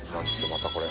またこれ。